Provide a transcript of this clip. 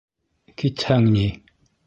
Китһәң ни?..